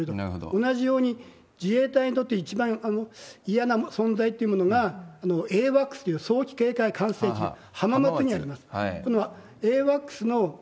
同じように、自衛隊にとって一番嫌な存在っていうものが、エイワックスっていう早期警戒管制機、はまもとにあります。